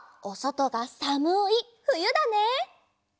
おそとがさむいふゆだね！